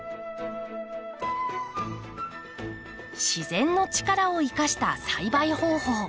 自然の力を生かした栽培方法。